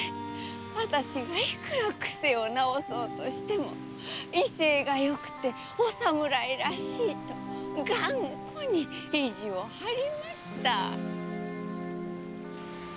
あたしがいくら癖を直そうとしても威勢がよくてお侍らしいと頑固に意地を張りました。